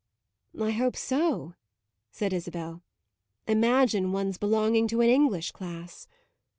"I hope so," said Isabel. "Imagine one's belonging to an English class!"